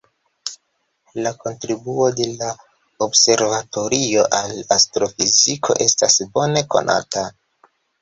La kontribuo de la observatorio al astrofiziko estas bone konata.